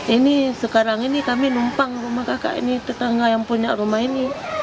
ini sekarang ini kami numpang rumah kakak ini tetangga yang punya rumah ini